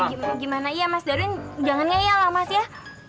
ya gimana ya mas darwin jangan ngeyal mas ya